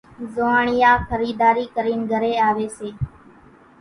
زوئاڻيا خريداري ڪرين گھرين آوي سي